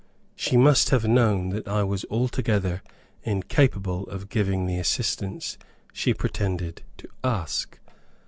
She must have known that I was altogether incapable of giving the assistance she pretended to ask.